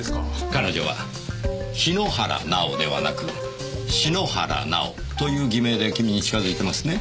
彼女は「桧原奈緒」ではなく「篠原奈緒」という偽名でキミに近づいてますね。